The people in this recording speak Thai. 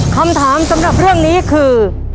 คำถามสำหรับเรื่องนี้คือ